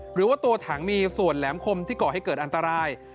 หรือว่าตัวถังมีส่วนแหลมคมที่ก่อให้เกิดอันตราย